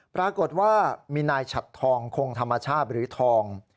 ปรากฏว่ามีนายฉัดทองคงธรรมชาติหรือทอง